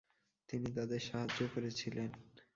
তিনি তাদের সাহায্য করেছিলেন ।